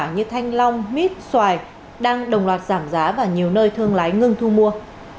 như thanh long mít xoài đang đồng loạt giảm giá và nhiều nơi thương lái ngưng thu mua